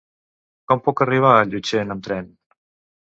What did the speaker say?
Com puc arribar a Llutxent amb tren?